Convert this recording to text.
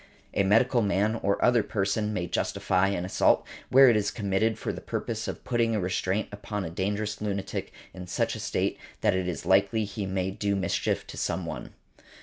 A medical man or other person may justify an assault where it is committed for the purpose of putting a restraint upon a dangerous lunatic in such a state that it is likely he may do mischief to some one .